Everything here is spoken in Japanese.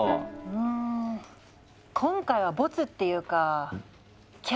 うん今回はボツっていうかキャッツね。